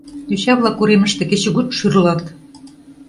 Йоча-влак уремыште кечыгут шӱрлат.